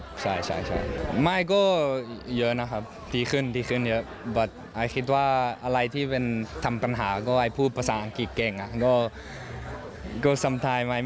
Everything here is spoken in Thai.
มาเชียร์เราที่สนาม